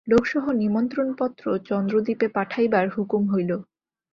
লোকসহ নিমন্ত্রণপত্র চন্দ্রদ্বীপে পাঠাইবার হুকুম হইল।